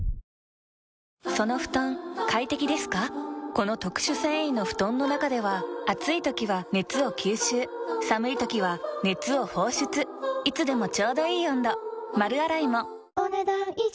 この特殊繊維の布団の中では暑い時は熱を吸収寒い時は熱を放出いつでもちょうどいい温度丸洗いもお、ねだん以上。